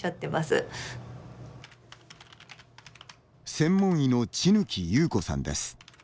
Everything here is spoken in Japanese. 専門医の千貫祐子さんです。